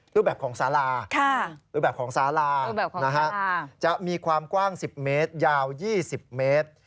รูปแบบของสารานะฮะจะมีความกว้าง๑๐เมตรยาว๒๐เมตร